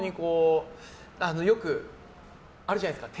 よくあるじゃないですか。